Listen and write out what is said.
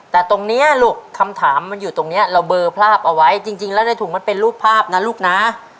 แต่ตรงนี้ลูกคำถามมันอยู่ตรงนี้เราเบอร์ภาพเอาไว้จริงแล้วในถุงมันเป็นรูปภาพนะลูกนะ